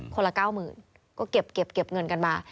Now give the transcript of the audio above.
คนละ๙๐๐๐ก็เก็บเงินกันมา